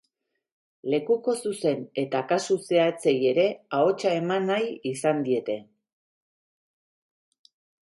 Lekuko zuzen eta kasu zehatzei ere ahotsa eman nahi izan diete.